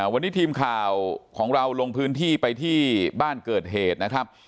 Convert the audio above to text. วันนี้ทีมข่าวของเราลงพื้นที่ไปที่บ้านเกิดเหตุนะครับ